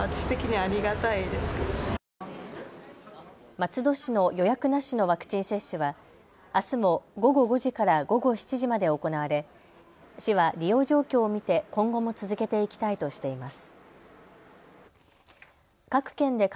松戸市の予約なしのワクチン接種はあすも午後５時から午後７時まで行われ市は利用状況を見て今後も続けていきたいとしています。